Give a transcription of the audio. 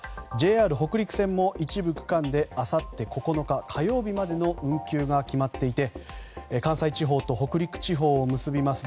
ＪＲ北陸線も一部区間であさって９日、火曜日までの運休が決まっていて関西地方と北陸地方を結びます